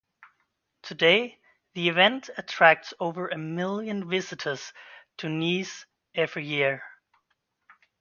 Today the event attracts over a million visitors to Nice every year.